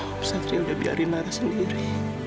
om satria udah biarin lara sendiri